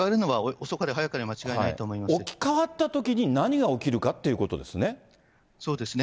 置き換わったときに何が起きるかということですね。